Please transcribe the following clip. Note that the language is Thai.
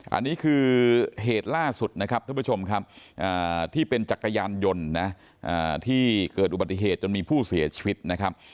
อันนี้คือเหตุล่าสุดนะครับท่านผู้ชมครับที่เป็นจักรยานยนต์นะที่เกิดอุบัติเหตุจนมีผู้เสียชีวิตนะครับ